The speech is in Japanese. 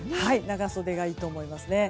長袖がいいと思いますね。